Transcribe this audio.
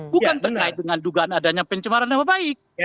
bukan terkait dengan dugaan adanya pencemaran nama baik